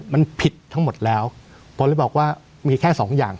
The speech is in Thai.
มันผิดทั้งหมดแล้วผมเลยบอกว่ามีแค่สองอย่าง